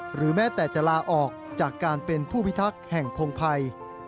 หรือแม้แต่จะลาออกจากการเป็นผู้พิทักษ์แห่งพงภัย